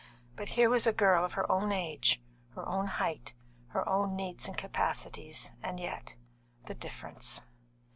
But here was a girl of her own age, her own height, her own needs and capacities, and yet the difference!